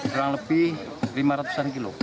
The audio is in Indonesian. kurang lebih lima ratus an kilo